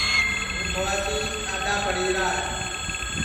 ہوں تھوڑاس اڈؔا پڑی را ہے